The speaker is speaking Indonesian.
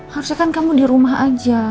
harusnya kan kamu di rumah aja